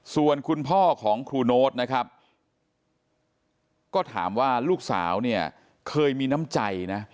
ส่วนคุณพ่อของครูโน๊ตนะครับก็ถามว่าลูกสาวเนี่ยเคยมีน้ำใจนะ